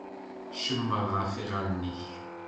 Cemmer ɣef yiɣalen-ik.